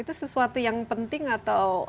itu sesuatu yang penting atau